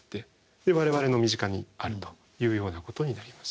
で我々の身近にあるというようなことになります。